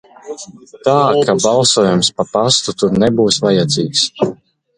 Tā ka balsojums pa pastu tur nebūs vajadzīgs.